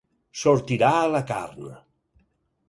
sortirà a la carn